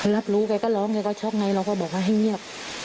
รับรู้แกก็ร้องแกก็ช็อกไงเราก็บอกว่าให้เงียบ